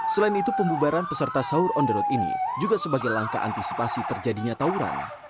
selain itu pembubaran peserta sahur on the road ini juga sebagai langkah antisipasi terjadinya tawuran